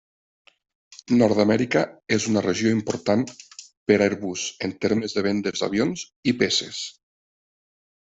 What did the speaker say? Nord-amèrica és una regió important per Airbus en termes de vendes d'avions i peces.